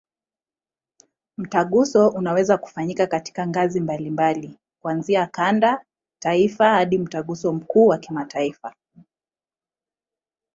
Mtaguso unaweza kufanyika katika ngazi mbalimbali, kuanzia kanda, taifa hadi Mtaguso mkuu wa kimataifa.